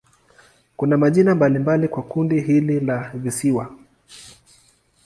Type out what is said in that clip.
Kuna majina mbalimbali kwa kundi hili la visiwa.